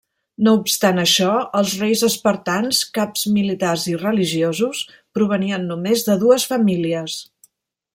No obstant això, els reis espartans, caps militars i religiosos, provenien només de dues famílies.